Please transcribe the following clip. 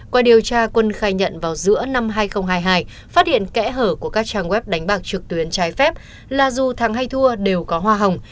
qua điều tra quân khai nhận vào giữa năm hai nghìn hai mươi hai phát hiện kẽ hở của các trang web đánh bạc trực tuyến trái phép là dù thắng hay thua đều có hoa hồng